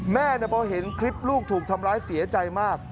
แม่พอเห็นคลิปลูกถูกทำร้ายเสียใจมาก